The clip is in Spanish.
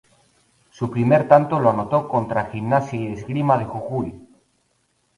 Su primer tanto lo anotó contra Gimnasia y Esgrima de Jujuy.